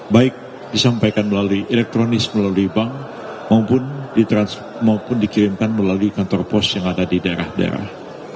baik disampaikan melalui elektronik melalui bank maupun dikirimkan melalui kantor pos yang ada di daerah daerah